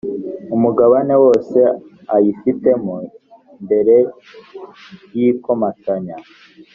umugabane wose ayifitemo mbere y ikomatanya